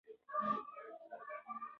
د مصنوعي تنفس وسایل باید خلکو ته برابر شي.